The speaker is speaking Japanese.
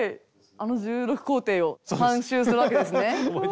あの１６工程を３周するわけですね。